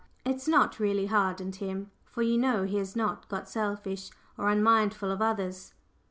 It's not really hardened him, for you know he has not got selfish or unmindful of others.